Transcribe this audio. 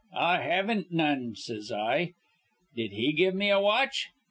'I haven't none,' says I. Did he give me a watch?